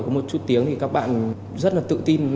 có một chút tiếng thì các bạn rất là tự tin